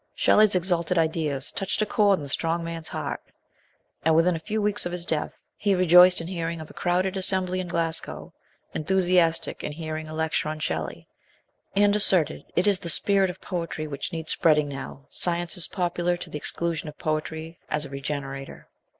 Shelley's exalted ideas touched a chord in the strong man's heart, and within a few vveeks of his death he rejoiced in hearing of a crowded assembly in Glasgow, enthusiastic in hearing a lecture on Shelley, and asserted it is the " spirit of poetry which needs spreading now ; science is popular to the exclusion of poetry as a regenerator."